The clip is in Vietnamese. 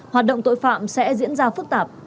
hoạt động tội phạm sẽ diễn ra phức tạp